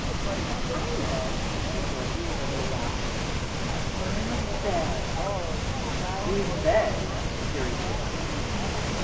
"I know," answered Dorothy, with a little laugh. "We'll burn a bed." "Whose bed?" queried Dick.